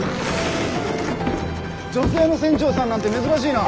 女性の船長さんなんて珍しいな。